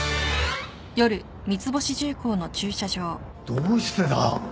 どうしてだ？